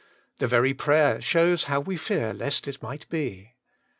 The very prayer shows how we fear lest it might he.